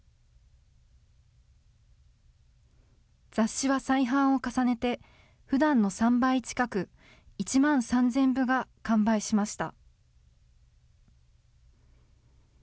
雑誌は再版を重ねて、ふだんの３倍近く、１万３０００部が完売しました。